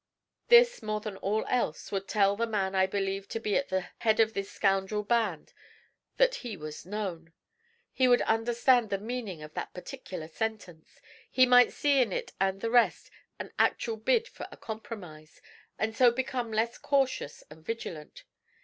This, more than all else, would tell the man I believed to be at the head of this scoundrel band that he was known. He would understand the meaning of that particular sentence. He might see in it and the rest an actual bid for a compromise, and so become less cautious and vigilant.